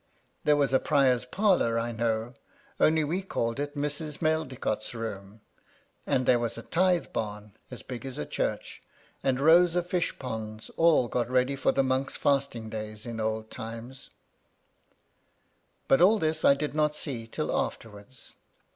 There was a prior's parlour, I know — only we called it Mrs. Medlicott's room ; and there was a tithe bam as big as a church, and rows of fish ponds, all got ready for the monks' fasting days in old time. But all this I did not see till afterwards.